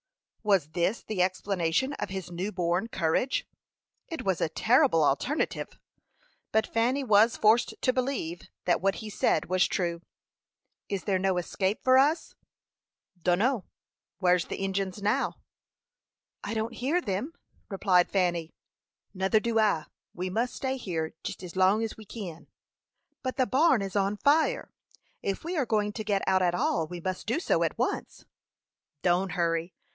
Was this the explanation of his new born courage? It was a terrible alternative, but Fanny was forced to believe that what he said was true. "Is there no escape for us?" "Don'no; whar's the Injins now?" "I don't hear them," replied Fanny. "Nuther do I. We must stay here jest as long as we kin." "But the barn is on fire! If we are going to get out at all, we must do so at once." "Don't hurry.